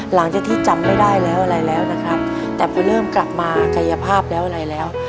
หลังจากที่จำไม่ได้แล้วอะไรแล้วนะครับแต่พอเริ่มกลับมากายภาพแล้วอะไรแล้ว